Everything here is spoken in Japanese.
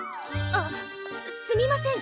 あっすみません